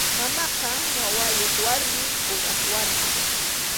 Mamaqa wawayuq warmi, kuraq warmim.